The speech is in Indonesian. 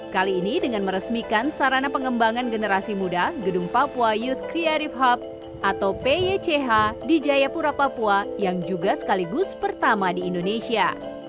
kali ini dengan meresmikan sarana pengembangan generasi muda gedung papua youth creative hub atau pych di jayapura papua yang juga sekaligus pertama di indonesia